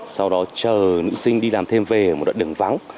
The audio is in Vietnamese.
sau đó chờ nữ sinh đi làm thêm về ở một đoạn đường vắng